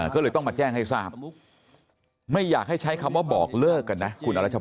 ก็เลยต้องมาแจ้งให้ทราบไม่อยากให้ใช้คำว่าบอกเลิกกันนะคุณอรัชพร